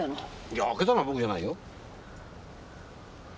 いや開けたのは僕じゃないよ。